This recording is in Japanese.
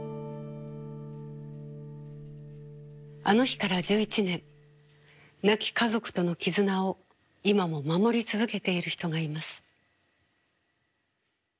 あの日から１１年亡き家族との絆を今も守り続けている人がいます。